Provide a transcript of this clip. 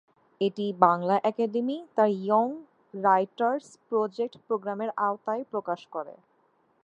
এটি বাংলা একাডেমি তার young writers project প্রোগ্রামের আওতায় প্রকাশ করে।